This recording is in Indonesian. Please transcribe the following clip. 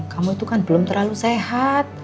kamu itu kan belum terlalu sehat